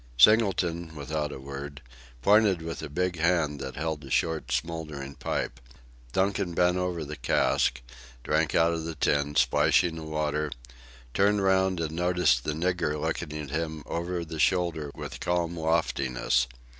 Singleton, without a word, pointed with a big hand that held a short smouldering pipe. Donkin bent over the cask, drank out of the tin, splashing the water, turned round and noticed the nigger looking at him over the shoulder with calm loftiness.